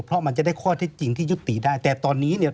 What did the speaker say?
เพราะมันจะได้ข้อเท็จจริงที่ยุติได้แต่ตอนนี้เนี่ย